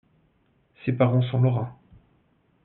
Ses parents sont lorrains.